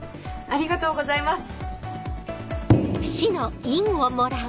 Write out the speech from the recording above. ありがとうございます。